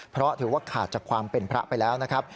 เพราะถือว่าขาดจากความเป็นพระไปแล้วนะครับ